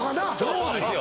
そうですよ